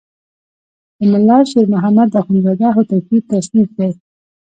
د ملا شیر محمد اخوندزاده هوتکی تصنیف دی.